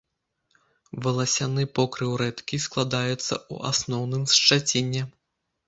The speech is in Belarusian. Валасяны покрыў рэдкі, складаецца ў асноўным з шчаціння.